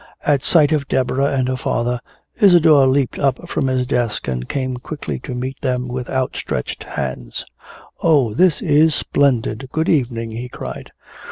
At sight of Deborah and her father, Isadore leaped up from his desk and came quickly to meet them with outstretched hands. "Oh, this is splendid! Good evening!" he cried.